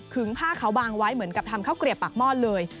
ผ้าเขาบางไว้เหมือนกับทำข้าวเกลียบปากหม้อนเลย